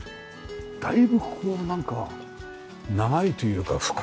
だいぶここはなんか長いというか深いですよね。